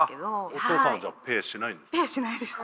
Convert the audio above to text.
お父さんはじゃあペーしないんですね。